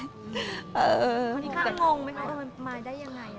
อเรนนี่ตอนนี้ค่ะงงไหมคะว่ามันมาได้ยังไง